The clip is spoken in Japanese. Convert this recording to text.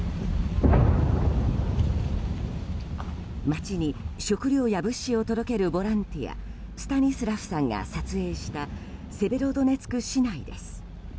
街に食料や物資を届けるボランティアスタニスラフさんが撮影したセベロドネツク市内です。